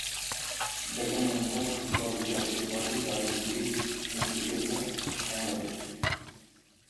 বেগম মমতাজ ইকবাল জাতীয় পার্টির রাজনীতিবিদ, মুক্তিযোদ্ধা ও সাংবাদিক।